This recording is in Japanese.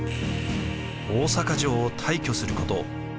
大坂城を退去すること